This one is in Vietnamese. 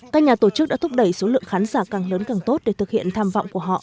các nhà tổ chức đã thúc đẩy số lượng khán giả càng lớn càng tốt để thực hiện tham vọng của họ